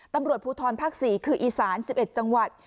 ตำรวจภูทรภาค๔คืออีสาน๑๑จังหวัด